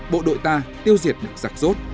bộ đội ta tiêu diệt được giặc dốt